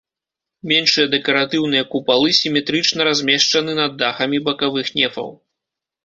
Меншыя дэкаратыўныя купалы сіметрычна размешчаны над дахамі бакавых нефаў.